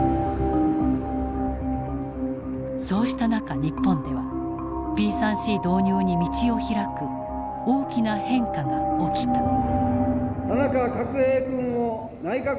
そうした中日本ではＰ３Ｃ導入に道を開く大きな変化が起きた。